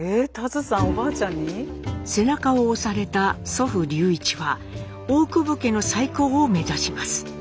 背中を押された祖父隆一は大久保家の再興を目指します。